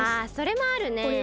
あそれもあるね。